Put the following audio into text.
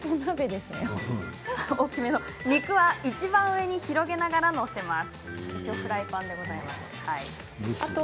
肉はいちばん上に広げながら載せます。